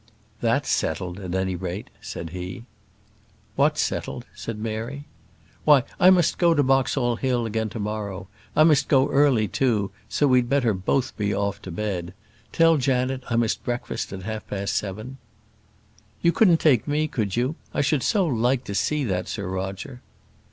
"That's settled, at any rate," said he. "What's settled?" said Mary. "Why, I must go to Boxall Hill again to morrow. I must go early, too, so we'd better both be off to bed. Tell Janet I must breakfast at half past seven." "You couldn't take me, could you? I should so like to see that Sir Roger."